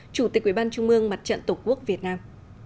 chủ tịch quỹ ban trung mương mặt trận tổ quốc việt nam